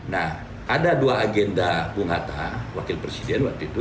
nah ada dua agenda bung hatta wakil presiden waktu itu